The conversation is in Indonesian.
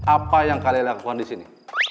apa yang kalian lakukan disini